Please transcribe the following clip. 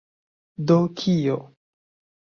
Do kio?